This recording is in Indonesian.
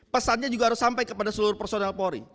pesannya juga harus sampai kepada seluruh personel polri